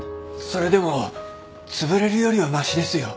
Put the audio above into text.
それでもつぶれるよりはマシですよ。